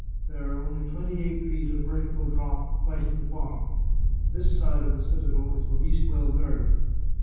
There are only twenty eight feet of vertical drop quite at the bottom ; this side of the citadel is the least well guarded.